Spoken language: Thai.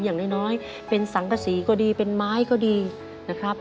อย่างน้อยเป็นสังกษีก็ดีเป็นไม้ก็ดีนะครับ